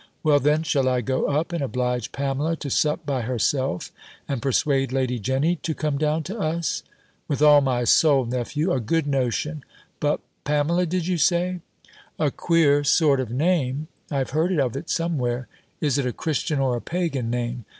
"Well then, shall I go up, and oblige Pamela to sup by herself, and persuade Lady Jenny to come down to us?" "With all my soul, nephew, a good notion. But, Pamela did you say? A queer sort of name! I have heard of it somewhere! Is it a Christian or a Pagan name?